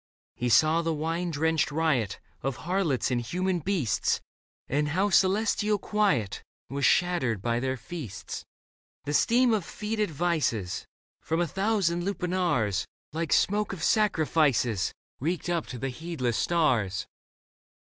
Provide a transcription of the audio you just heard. He saw the wine drenched riot Of harlots and human beasts, And how celestial quiet Was shattered by their feasts. The steam of fetid vices From a thousand lupanars. Like smoke of sacrifices, Reeked up to the heedless stars.